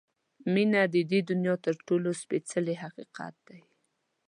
• مینه د دنیا تر ټولو سپېڅلی حقیقت دی.